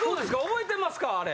覚えてますかあれ？